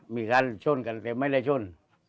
มีการชนกันแต่ไม่ได้ชน